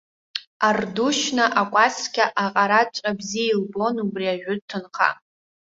Ардушьна акәасқьа аҟараҵәҟьа бзиа илбон убри ажәытә ҭынха.